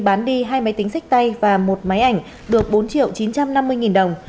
bán đi hai máy tính sách tay và một máy ảnh được bốn triệu chín trăm năm mươi nghìn đồng